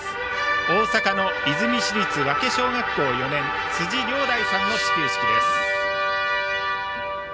大阪の和泉市立和気小学校４年辻諒大さんの始球式です。